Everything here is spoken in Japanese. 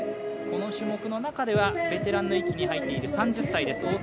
この種目の中ではベテランの域に入っています３０歳です。